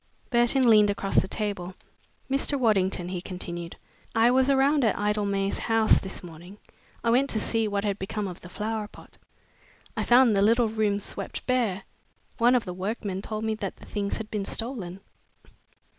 Burton leaned across the table. "Mr. Waddington," he continued, "I was around at Idlemay House this morning. I went to see what had become of the flower pot. I found the little room swept bare. One of the workmen told me that the things had been stolen."